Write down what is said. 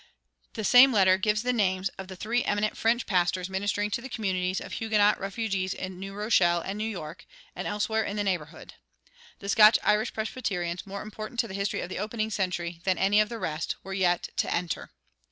The same letter gives the names of the three eminent French pastors ministering to the communities of Huguenot refugees at New Rochelle and New York and elsewhere in the neighborhood. The Scotch Irish Presbyterians, more important to the history of the opening century than any of the rest, were yet to enter.